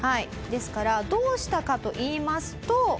ですからどうしたかといいますと。